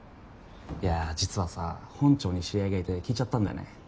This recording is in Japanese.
いやぁ実はさ本庁に知り合いがいて聞いちゃったんだよね。